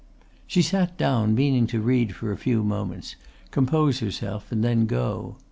She sat down, meaning to read for a few moments, compose herself and then go.